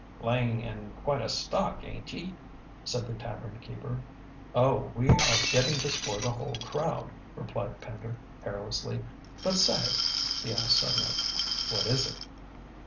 "Laying in quite a stock, ain't ye?" said the tavern keeper. "Oh, we are getting this for the whole crowd," replied Pender carelessly. "But, say," he added suddenly. "What is it?"